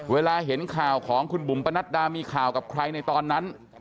เวลาเห็นข่าวของคุณบุ๋มปนัดดามีข่าวกับใครในตอนนั้น